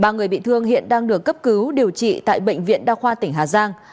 ba người bị thương hiện đang được cấp cứu điều trị tại bệnh viện đa khoa tỉnh hà giang